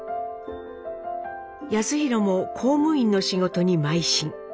康宏も公務員の仕事にまい進。